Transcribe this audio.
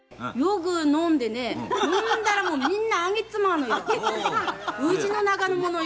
ぐ飲んでね、飲んだらもう、みんなあげっちまうのよ。